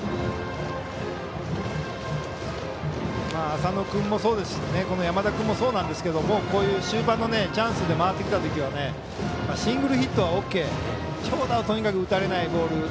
浅野君もそうですし山田君もそうですがこういう終盤のチャンスで回ってきた時はシングルヒットはＯＫ長打はとにかく打たれないボール。